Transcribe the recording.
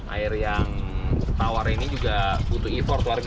air yang tawar ini juga butuh effort warga